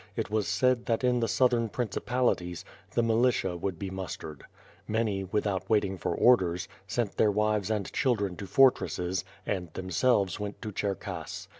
It was said that in the southern principalities, the militia would be mus tered. Many, without w^aiting for orders, sent their wives and children to fortresses, and themselves went to Cherkass.